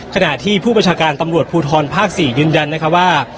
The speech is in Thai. ขณะที่ผู้ประชาการตำรวจภูทรภาค๔ยืนยันนะคะว่า